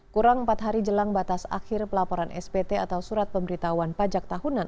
kurang empat hari jelang batas akhir pelaporan spt atau surat pemberitahuan pajak tahunan